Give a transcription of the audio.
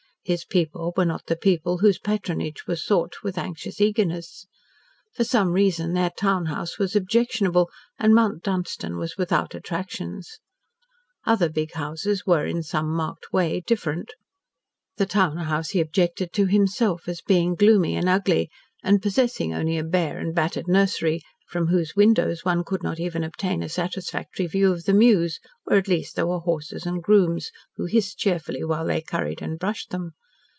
His people were not the people whose patronage was sought with anxious eagerness. For some reason their town house was objectionable, and Mount Dunstan was without attractions. Other big houses were, in some marked way, different. The town house he objected to himself as being gloomy and ugly, and possessing only a bare and battered nursery, from whose windows one could not even obtain a satisfactory view of the Mews, where at least, there were horses and grooms who hissed cheerfully while they curried and brushed them.